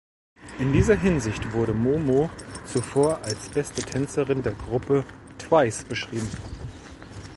In dieser Hinsicht wurde Momo zuvor als beste Tänzerin der Gruppe Twice beschrieben.